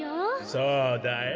そうだよ。